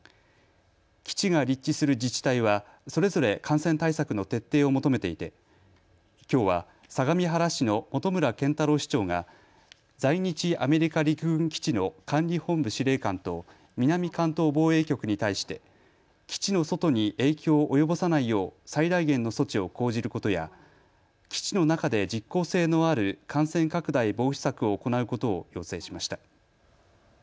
基地が立地する自治体はそれぞれ感染対策の徹底を求めていてきょうは相模原市の本村賢太郎市長が在日アメリカ陸軍基地の管理本部司令官と南関東防衛局に対して基地の外に影響を及ぼさないよう最大限の措置を講じることや基地の中で実効性のある感染拡大防止策を行うことを要請しました。